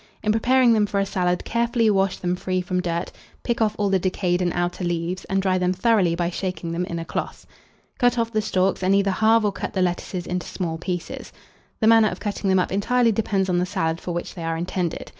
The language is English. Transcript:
In preparing them for a salad, carefully wash them free from dirt, pick off all the decayed and outer leaves, and dry them thoroughly by shaking them in a cloth. Cut off the stalks, and either halve or cut the lettuces into small pieces. The manner of cutting them up entirely depends on the salad for which they are intended.